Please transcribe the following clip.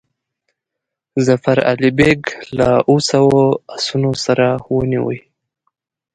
ظفر علي بیګ له اوو سوو آسونو سره ونیوی.